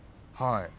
はい。